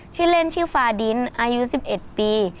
ชื่อเล่นชื่อฟาดินอายุ๑๑ปี